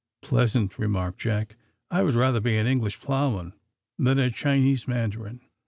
"Pleasant," remarked Jack; "I would rather be an English ploughman than a Chinese mandarin."